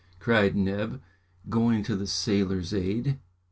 cried Neb, going to the sailor's aid.